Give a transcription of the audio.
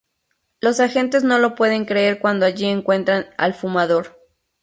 Los agentes no lo pueden creer cuando allí encuentran al "Fumador".